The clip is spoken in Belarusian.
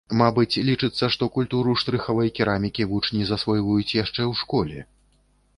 Мабыць, лічыцца, што культуру штрыхавой керамікі вучні засвойваюць яшчэ ў школе.